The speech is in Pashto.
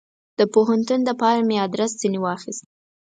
د پوهنتون دپاره مې ادرس ځني واخیست.